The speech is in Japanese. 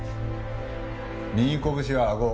右拳はあご。